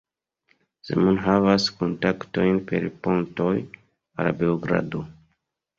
Zemun havas kontaktojn per pontoj al Beogrado.